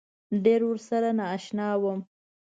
ډېر ورسره نا اشنا وم.